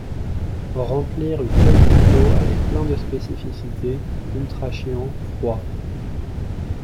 Remplir une feuille d’impôts avec pleins de spécificités ultra chian– Froid.